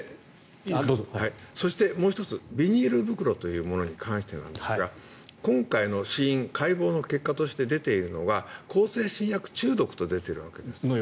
そしてもう１つビニール袋というものに関してですが今回の死因、解剖の結果として出ているのは向精神薬中毒と出ているわけですね。